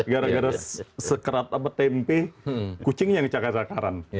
gara gara sekerat tempe kucing yang cakar cakaran